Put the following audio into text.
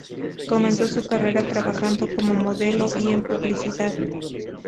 Comenzó su carrera trabajando como modelo y en publicidad.